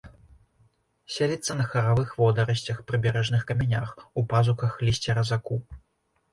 Селіцца на харавых водарасцях, прыбярэжных камянях, у пазухах лісця разаку.